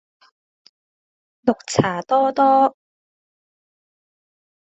綠茶多多